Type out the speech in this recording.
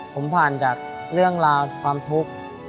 ผมผ่านจากเรื่องราวความทุกข์